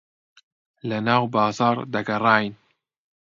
لەناو بازاڕ دەگەڕاین.